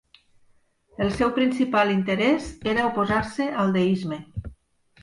El seu principal interès era oposar-se al deisme.